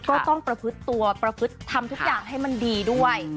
ก็ต้องประพฤติตัวประพฤติทำทุกอย่างให้มันดีด้วย